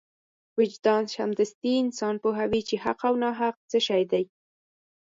وجدان سمدستي انسان پوهوي چې حق او ناحق څه شی دی.